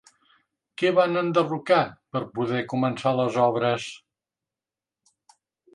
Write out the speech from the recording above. Què van enderrocar per poder començar les obres?